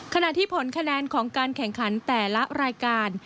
ขณะที่ผลคะแนนของการแข่งขันแต่ละรายการ